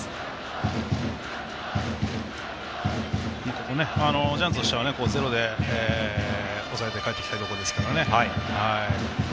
ここジャイアンツとしてはゼロで抑えて帰ってきたいところですから。